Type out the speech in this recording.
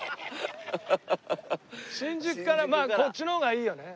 新宿からまあこっちの方がいいよね。